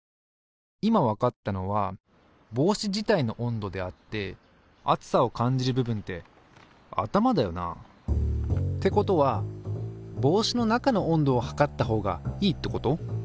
今わかったのは帽子自体の温度であって暑さを感じる部分って頭だよな。ってことは帽子の中の温度を測ったほうがいいってこと？